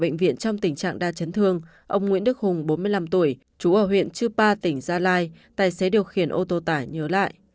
trong khi điều trị tại bệnh viện trong tình trạng đa chấn thương ông nguyễn đức hùng bốn mươi năm tuổi trú ở huyện chư pa tỉnh gia lai tài xế điều khiển ô tô tải nhớ lại